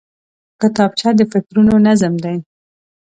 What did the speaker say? کتابچه د فکرونو نظم دی